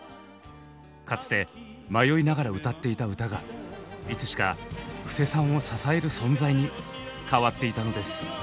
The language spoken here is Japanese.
かつて迷いながら歌っていた歌がいつしか布施さんを支える存在に変わっていたのです。